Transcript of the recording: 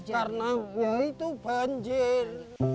karena hujan itu banjir